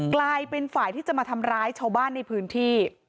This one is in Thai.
กลายเป็นฝ่ายที่จะมาทำร้ายชาวบ้านในพื้นที่